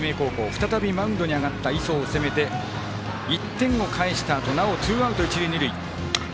再びマウンドに上がった磯を攻めて１点を返したあとなお、ツーアウト、一塁二塁。